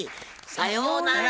さようなら！